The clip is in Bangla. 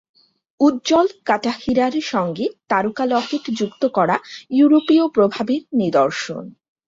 উজ্জ্বল কাটা হীরার সঙ্গে তারকা-লকেট যুক্ত করা ইউরোপীয় প্রভাবের নিদর্শন।